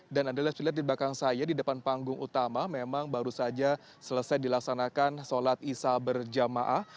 dan anda lihat di belakang saya di depan panggung utama memang baru saja selesai dilaksanakan sholat isa berjamaah